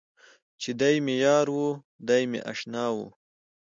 چې دی مې یار و، دی مې اشنا و.